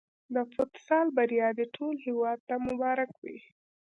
د فوتسال بریا دې ټول هېواد ته مبارک وي.